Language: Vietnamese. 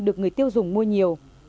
được người tiêu dùng mua nhiều